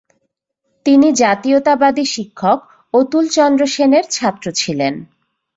তিনি জাতীয়তাবাদী শিক্ষক অতুলচন্দ্র সেনের ছাত্র ছিলেন।